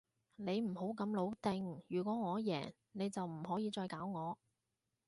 你唔好咁老定，如果我贏，你就唔可以再搞我